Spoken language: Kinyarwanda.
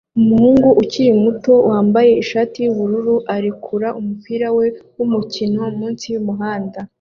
Umuhungu ukiri muto wambaye ishati yubururu arekura umupira we wumukino munsi yumuhanda